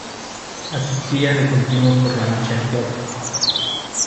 Asistía de continuo por la noche al teatro.